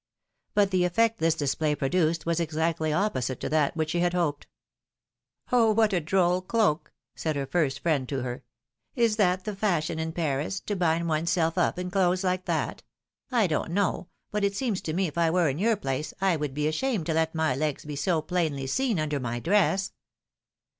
But the effect this display produced was exactly opposite to that which she had hoped. '^Oh, what a droll cloak!" said her first friend to her. ^^Is that the fashion in Paris, to bind one's self up in clothes like that? I don't know, but it seems to me if I were in your place I would be ashamed to let my legs be so plainly seen under my dress